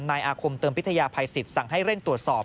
นายอาคมเติมพิทยาภัยสิทธิสั่งให้เร่งตรวจสอบ